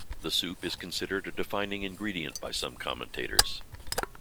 The soup is considered a defining ingredient by some commentators.